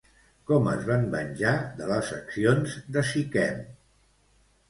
Com es van venjar de les accions de Siquem?